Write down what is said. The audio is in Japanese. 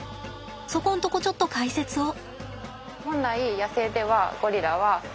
そこんとこちょっと解説を。